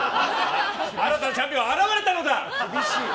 新たなチャンピオン現れたのだ！